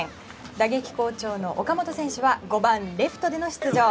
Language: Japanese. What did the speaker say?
打撃好調の岡本選手は５番レフトでの出場。